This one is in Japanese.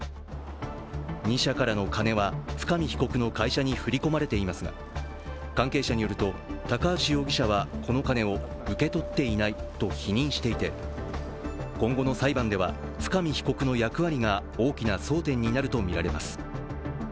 ２社からのカネは深見被告の会社に振り込まれていますが、関係者によると高橋容疑者はこの金を受け取っていないと否認していて今後の裁判では、深見被告の役割が大きな争点になるとみられます。